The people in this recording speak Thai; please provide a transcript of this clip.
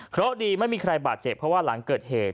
เพราะดีไม่มีใครบาดเจ็บเพราะว่าหลังเกิดเหตุ